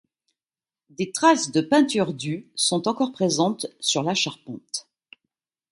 Des traces de peinture du sont encore présentes sur la charpente.